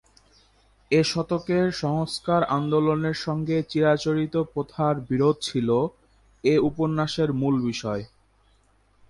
এ শতকের সংস্কার-আন্দোলনের সঙ্গে চিরাচরিত প্রথার বিরোধ ছিল এ উপন্যাসের মূল বিষয়।